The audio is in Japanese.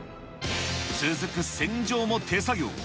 続く洗浄も手作業。